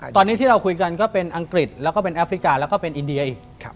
ตอนนี้ที่เราคุยกันก็เป็นอังกฤษแล้วก็เป็นแอฟริกาแล้วก็เป็นอินเดียอีก